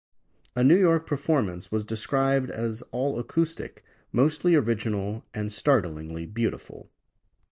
A New York performance was described as all acoustic, mostly original and startlingly beautiful.